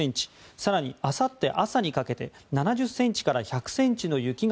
更に、あさって朝にかけて７０ｃｍから１００ｃｍの雪が